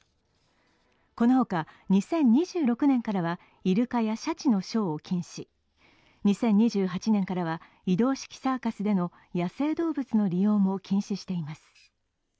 この他、２０２６年からはイルカやシャチのショーを禁止、２０２８年からは移動式サーカスでの野生動物の利用も禁止しています。